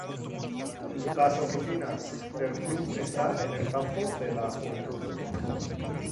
Las Oficinas del Club están en el Campo de la Juventud.